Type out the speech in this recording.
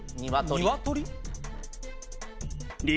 ニワトリ？